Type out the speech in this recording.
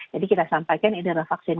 jadi kita sampaikan ini adalah vaksin